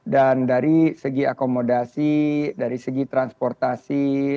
dan dari segi akomodasi dari segi transportasi